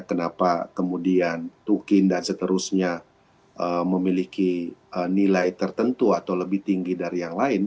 kenapa kemudian tukin dan seterusnya memiliki nilai tertentu atau lebih tinggi dari yang lain